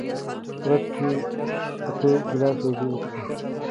ورځ کې اته ګیلاسه اوبه وڅښئ.